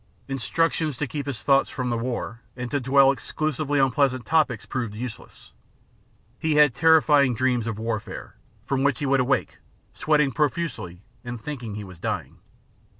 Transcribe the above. Instructions to keep his thoughts from the war and to dwell exclusively on pleasant topics proved useless. Hef had terrifying dreams of warfare, from which he would awake, sweating profusely, and thinking he was dying.